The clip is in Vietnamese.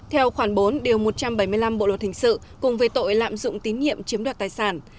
theo khoảng bốn một trăm bảy mươi năm bộ luật hình sự cùng về tội lạm dụng tín nhiệm chiếm đoạt tài sản